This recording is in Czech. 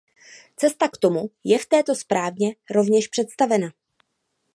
Cesta k tomu je v této zprávě rovněž představena.